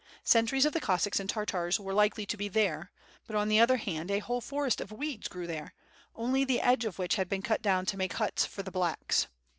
Sentries of the Cos sacks and Tartars were likely to be there, but on the other hand a whole forest of weeds grew there, only the edge of which had been cut down to make huts for the ''blacks."